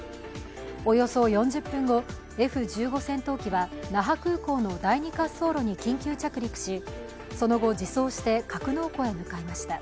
およそ４０分後、Ｆ１５Ｋ戦闘機は那覇空港の第二滑走路に緊急着陸しその後、自走して格納庫へ向かいました。